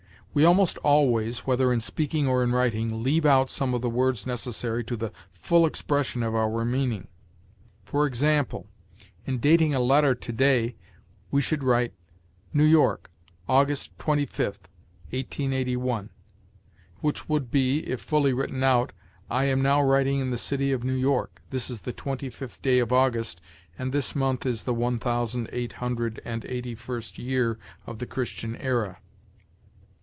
We almost always, whether in speaking or in writing, leave out some of the words necessary to the full expression of our meaning. For example, in dating a letter to day, we should write, "New York, August 25, 1881," which would be, if fully written out, "I am now writing in the city of New York; this is the twenty fifth day of August, and this month is in the one thousand eight hundred and eighty first year of the Christian era."